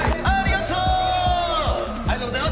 ありがとう！